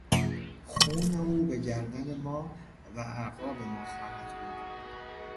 خون او به گردن ما و اعقاب ما خواهد بود.